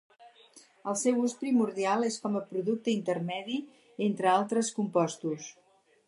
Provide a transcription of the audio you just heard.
El seu ús primordial és com a producte intermedi entre altres compostos.